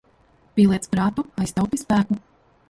Pieliec prātu, aiztaupi spēku.